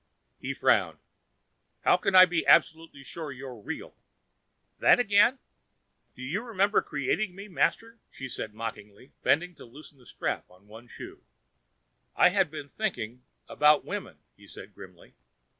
He frowned. "How can I be absolutely sure you're real?" "That again? Do you remember creating me, Master?" she asked mockingly, bending to loosen the strap on one shoe. "I had been thinking about women," he said grimly.